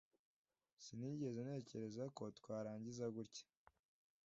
sinigeze ntekereza ko twarangiza gutya